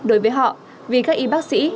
đối với họ vì các y bác sĩ